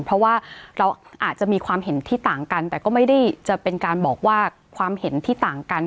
เพราะว่าเราอาจจะมีความเห็นที่ต่างกันแต่ก็ไม่ได้จะเป็นการบอกว่าความเห็นที่ต่างกัน